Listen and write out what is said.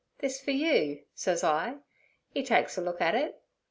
"This fer you?" sez I. 'E takes it, looks at it.